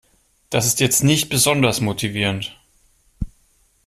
Das ist jetzt nicht besonders motivierend.